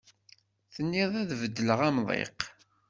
Tenniḍ ad beddleɣ amḍiq